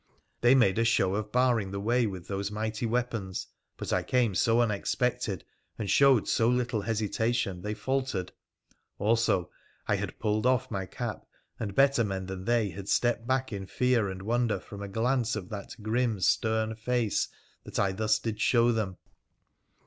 They made a show of barring the way with those mighty weapons ; but I came so unexpected, and showed so little hesitation, they faltered. Also, I had pulled off my cap, and better men than they had stepped back in fear and wonder from a glance of that grim, stern face that I thus did show them.